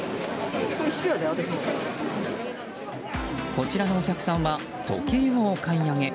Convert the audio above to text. こちらのお客さんは時計をお買い上げ。